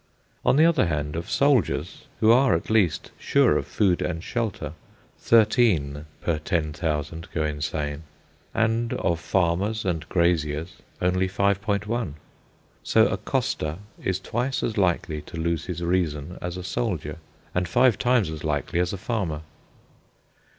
On the other hand, of soldiers, who are at least sure of food and shelter, 13 per 10,000 go insane; and of farmers and graziers, only 5.1. So a coster is twice as likely to lose his reason as a soldier, and five times as likely as a farmer.